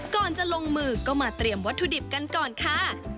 ก่อนจะลงมือก็มาเตรียมวัตถุดิบกันก่อนค่ะ